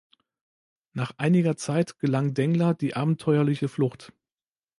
Nach einiger Zeit gelang Dengler die abenteuerliche Flucht.